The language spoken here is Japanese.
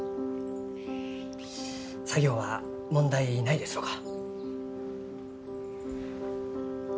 作業は問題ないですろうか？